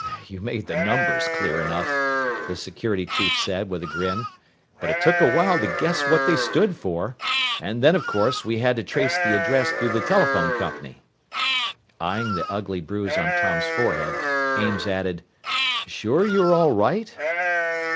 "You made the numbers clear enough," the security chief said with a grin, "but it took a while to guess what they stood for. And then, of course, we had to trace the address through the telephone company." Eying the ugly bruise on Tom's forehead, Ames added, "Sure you're all right?"